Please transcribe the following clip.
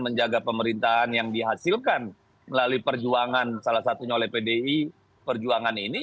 menjaga pemerintahan yang dihasilkan melalui perjuangan salah satunya oleh pdi perjuangan ini